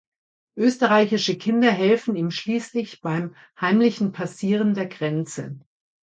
Österreichische Kinder helfen ihm schließlich beim heimlichen Passieren der Grenze.